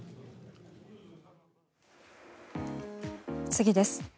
次です。